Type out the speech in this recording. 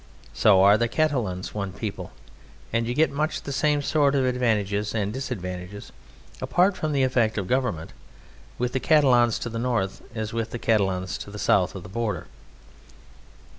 So are the Catalans one people, and you get much the same sort of advantages and disadvantages (apart from the effect of government) with the Catalans to the north as with the Catalans to the south of the border.